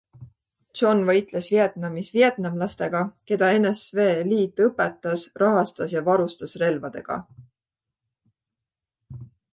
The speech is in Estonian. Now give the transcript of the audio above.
John võitles Vietnamis vietnamlastega, keda NSV Liit õpetas, rahastas ja varustas relvadega.